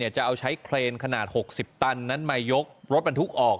จะเอาใช้เครนขนาด๖๐ตันนั้นมายกรถบรรทุกออก